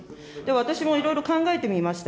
私もいろいろ考えてみました。